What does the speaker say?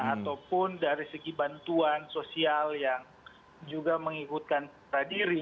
ataupun dari segi bantuan sosial yang juga mengikutkan pradiri